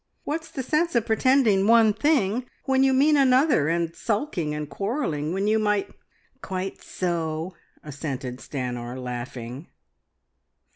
What's the sense of pretending one thing when you mean another, and sulking and quarrelling when you might " "Quite so," assented Stanor, laughing.